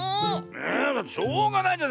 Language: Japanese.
えだってしょうがないじゃない。